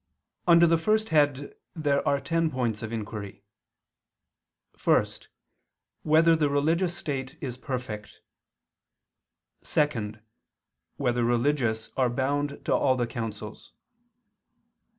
Under the first head there are ten points of inquiry: (1) Whether the religious state is perfect? (2) Whether religious are bound to all the counsels?